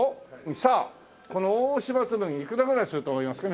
さあこの大島紬いくらぐらいすると思いますか？